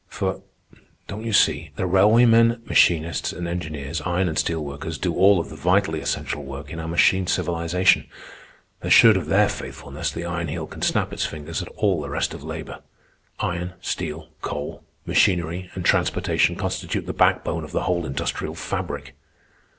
For, don't you see, the railway men, machinists and engineers, iron and steel workers, do all of the vitally essential work in our machine civilization. Assured of their faithfulness, the Iron Heel can snap its fingers at all the rest of labor. Iron, steel, coal, machinery, and transportation constitute the backbone of the whole industrial fabric."